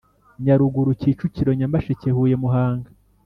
Nyaruguru Kicukiro Nyamasheke Huye Muhanga